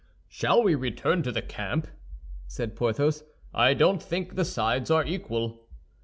"Shall we return to the camp?" said Porthos. "I don't think the sides are equal."